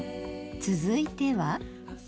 続いては？